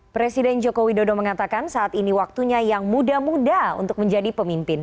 presiden joko widodo mengatakan saat ini waktunya yang muda muda untuk menjadi pemimpin